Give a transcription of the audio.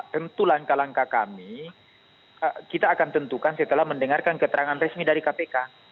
tentu langkah langkah kami kita akan tentukan setelah mendengarkan keterangan resmi dari kpk